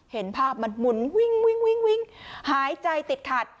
เห็นภาพมันหมุนหายใจติดขัด